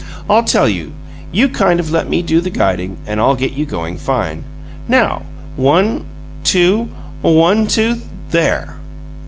I'll tell you you kind of let me do the guiding and I'll get you going fine. Now! ONE, two, ONE, two! There!"